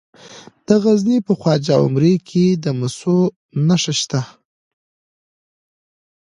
د غزني په خواجه عمري کې د مسو نښې شته.